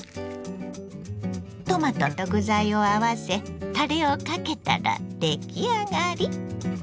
トマトと具材を合わせタレをかけたら出来上がり。